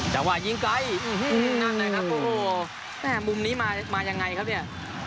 จังหวะยิงไกลนั่นนะครับโอ้โหแม่มุมนี้มายังไงครับเนี่ย